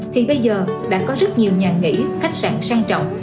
thì bây giờ đã có rất nhiều nhà nghỉ khách sạn sang trọng